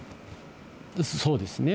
そうですね。